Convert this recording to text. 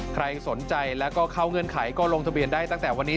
ใครสนใจแล้วก็เข้าเงื่อนไขก็ลงทะเบียนได้ตั้งแต่วันนี้